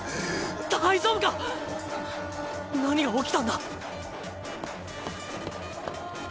大丈夫か⁉何が起きたんだ？